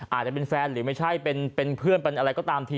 อาจจะเป็นแฟนที่เป็นเพื่อนอะไรก็ตามที